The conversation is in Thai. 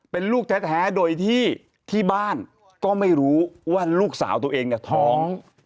เป็นลูกแท้โดยที่ที่บ้านก็ไม่รู้ว่าลูกสาวตัวเองเนี่ยท้อง